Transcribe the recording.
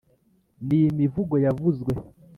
nimivugo yavuzwe